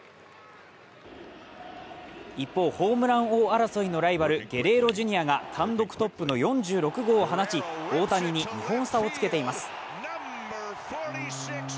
一方、ホームラン王争いのライバルゲレーロ・ジュニアが単独トップの４６号を放ち、大谷に２本差をつけています。